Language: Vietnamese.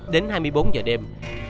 đến hai mươi bốn h đêm